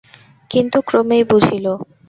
কিন্তু ক্রমেই বুঝিল।